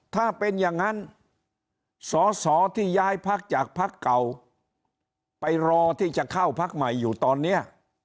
ถ้าเป็นอย่างนั้นสอสอที่ย้ายพักจากพักเก่าไปรอที่จะเข้าพักใหม่อยู่ตอนนี้